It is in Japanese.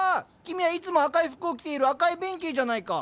君はいつも赤い服を着ている赤井弁慶じゃないか。